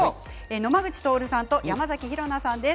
野間口徹さんと山崎紘菜さんです。